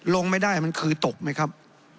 ลงไม่ได้มันคือตกไหมครับ